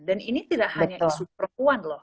dan ini tidak hanya isu perempuan loh